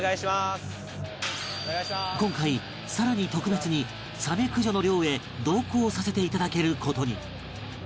今回更に特別にサメ駆除の漁へ同行させていただける事に